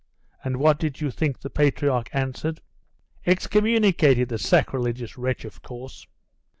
And what do you think the patriarch answered?' 'Excommunicated the sacrilegious wretch, of course!